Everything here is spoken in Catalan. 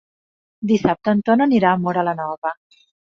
Dissabte en Ton anirà a Móra la Nova.